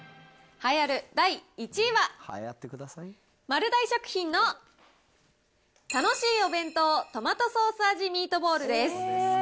栄えある第１位は、丸大食品の楽しいお弁当トマトソース味ミートボールです。